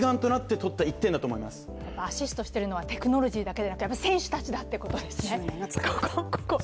やっぱアシストしているのはテクノロジーだけではなくて、選手たちだということですね。